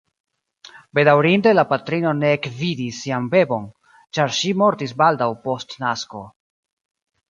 Bedaŭrinde la patrino ne ekvidis sian bebon, ĉar ŝi mortis baldaŭ post nasko.